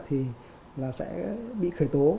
thì sẽ bị khởi tố